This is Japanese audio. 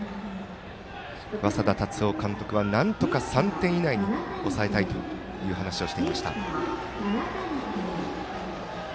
稙田龍生監督はなんとか３点以内に抑えたいという話をしていました。